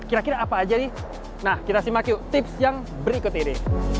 kira kira apa aja nih nah kita simak yuk tips yang berikut ini